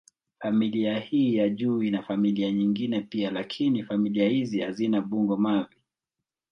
Familia hii ya juu ina familia nyingine pia, lakini familia hizi hazina bungo-mavi.